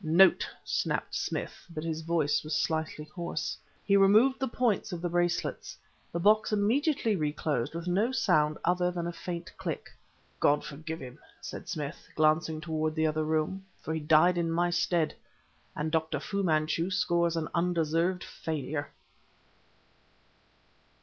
"Note," snapped Smith but his voice was slightly hoarse. He removed the points of the bracelets. The box immediately reclosed with no other sound than a faint click. "God forgive him," said Smith, glancing toward the other room, "for he died in my stead! and Dr. Fu Manchu scores an undeserved failure!"